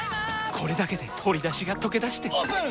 これだけで鶏だしがとけだしてオープン！